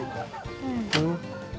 うん。